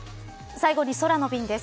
最後に空の便です。